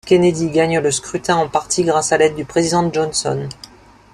Kennedy gagne le scrutin, en partie grâce à l'aide du président Johnson.